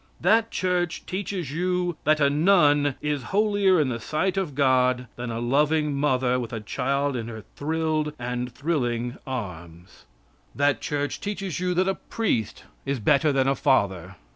That Church teaches you that a nun is holier in the sight of God than a loving mother with a child in her thrilled and thrilling arms. That Church teaches you that a priest is better than a father.